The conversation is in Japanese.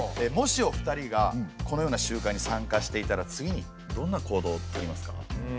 もしお二人がこのような集会に参加していたら次にどんな行動をとりますか？